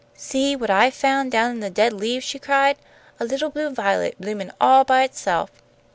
"See what I've found down in the dead leaves," she cried. "A little blue violet, bloomin' all by itself."